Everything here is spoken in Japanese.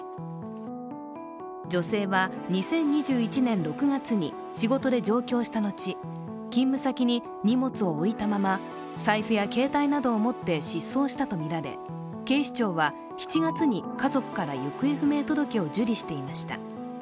女性は２０２１年６月に仕事で上京した後、勤務先に荷物を置いたまま財布や携帯などを持って失踪したとみられ、警視庁は７月に家族から行方不明届を受理していました。